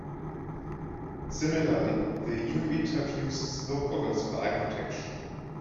Similarly, the Inuit have used snow goggles for eye protection.